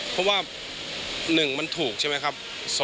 เพราะว่า๑มันถูกใช่ไหมครับ